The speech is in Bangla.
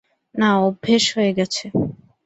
না, অভ্যোস হয়ে গেছে।